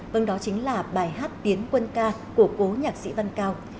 vâng đó chính là bài hát tiến quân ca của cố nhạc sĩ văn cao